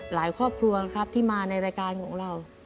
ครอบครัวครับที่มาในรายการของเรา